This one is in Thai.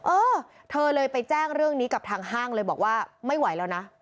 เออเธอเลยไปแจ้งเรื่องนี้กับทางห้างเลยบอกว่าไม่ไหวแล้วนะ